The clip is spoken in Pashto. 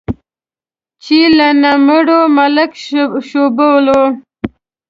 چې له نه مړو، ملک شوبلو.